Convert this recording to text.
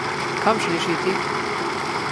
Kam želiš iti?